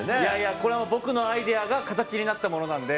これは僕のアイデアが形になったものなんで。